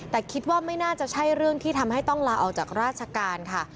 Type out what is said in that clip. แต่คิดว่าไม่น่าจะใช่เรื่องที่ทำให้ต้องลาออกจากราชการค่ะ